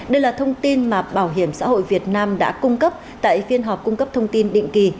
đây là thông tin mà bảo hiểm xã hội việt nam đã cung cấp tại phiên họp cung cấp thông tin định kỳ